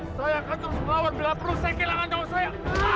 saya akan terus melawan bila perlu saya kehilangan jawab saya